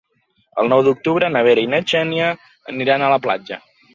El nou d'octubre na Vera i na Xènia aniran a la platja.